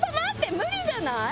無理じゃない？